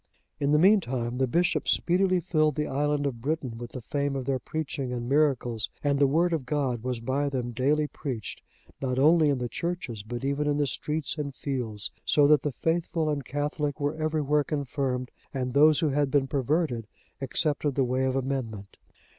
In the meantime the bishops speedily filled the island of Britain with the fame of their preaching and miracles; and the Word of God was by them daily preached, not only in the churches, but even in the streets and fields, so that the faithful and Catholic were everywhere confirmed, and those who had been perverted accepted the way of amendment.